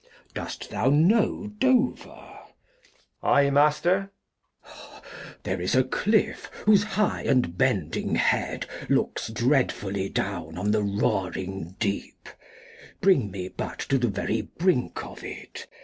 Dost thou know Dover ? Edg. I, Master. Glost. There's a Cliff, whose high and bending Head Looks dreadfully down on the roaring Deep ; Bring me but to the very Brink of it.